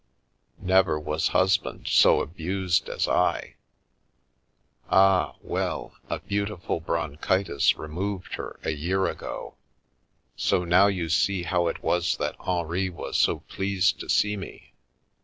Never was husband so abused as I ! Ah, well, a beauti ful bronchitis removed her a year ago. So now you see how it was that Henri was so pleased to see me.